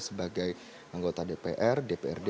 sebagai anggota dpr dprd